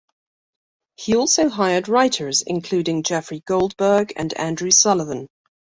He also hired writers including Jeffrey Goldberg and Andrew Sullivan.